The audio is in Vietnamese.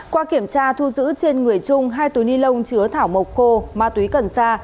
qua kiểm tra thu giữ trên người trung hai túi ni lông chứa thảo mộc khô ma túy cần sa